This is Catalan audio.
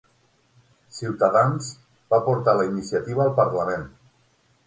Ciutadans va portar la iniciativa al parlament